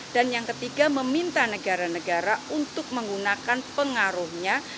dan yang ketiga meminta negara negara untuk menggunakan pengaruhnya